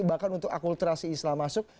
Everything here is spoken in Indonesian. bahkan untuk akulturasi islam masuk